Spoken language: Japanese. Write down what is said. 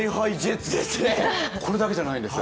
これだけじゃないんですよ。